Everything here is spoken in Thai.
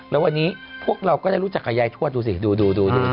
แล้ววันนี้พวกเราก็ได้รู้จักกับยายทวดดูสิดู